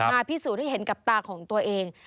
พิสูจน์ให้เห็นกับตาของตัวเอง